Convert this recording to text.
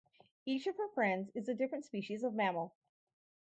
Each of her friends is a different species of mammal.